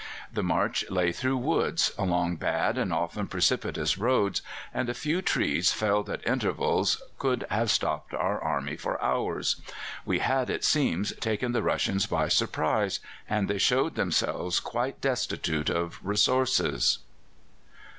The march lay through woods, along bad and often precipitous roads, and a few trees felled at intervals could have stopped our army for hours. We had, it seems, taken the Russians by surprise, and they showed themselves quite destitute of resources.